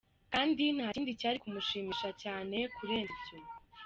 Kandi nta kindi cyari kumushimisha cyane kurenza ibyo.